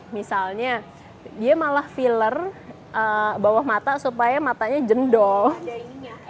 misalnya dia malah filler bawah mata supaya matanya jendol